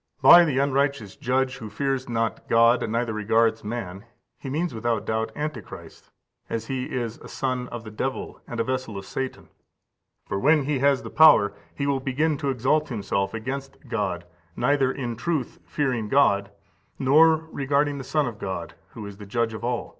15211521 Luke xviii. 2–5. 57. By the unrighteous judge, who fears not God, neither regards man, he means without doubt Antichrist, as he is a son of the devil and a vessel of Satan. For when he has the power, he will begin to exalt himself against God, neither in truth fearing God, nor regarding the Son of God, who is the Judge of all.